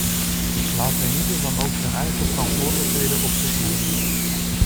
Laat eenieder dan ook zijn eigen verantwoordelijkheden op zich opnemen.